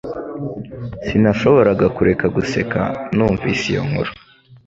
Sinashoboraga kureka guseka numvise iyo nkuru